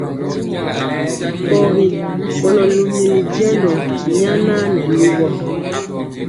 Pɔgi kɔlo lumili jendɔ nyana nɛ lugɔ.